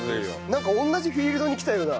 なんか同じフィールドに来たような。